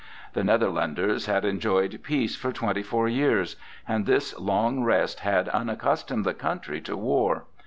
The Netherlanders had enjoyed peace for twenty four years, and this long rest had unaccustomed the country to war.